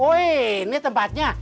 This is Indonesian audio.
wih ini tempatnya